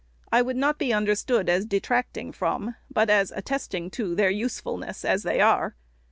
I would not be understood as detracting from, but as attesting to, their usefulness, as they are.